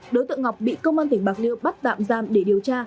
đối tượng ngọc bị công an tỉnh bạc liêu bắt tạm giam để điều tra